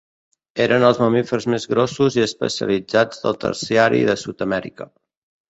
Eren els mamífers més grossos i especialitzats del Terciari de Sud-amèrica.